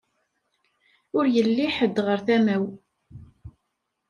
Ur yelli ḥed ɣer tama-w.